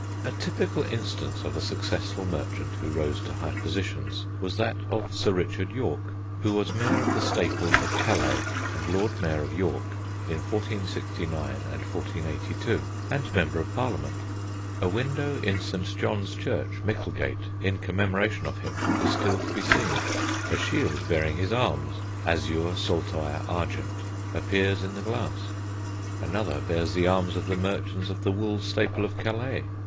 A typical instance of a successful merchant who rose to high positions was that of Sir Richard Yorke, who was Mayor of the staple of Calais and Lord Mayor of York in 1469 and 1482, and member of Parliament. A window in St. John's Church, Micklegate, in commemoration of him is still to be seen. A shield bearing his arms (azure, saltire argent) appears in the glass; another bears the arms of the Merchants of the Wool staple of Calais.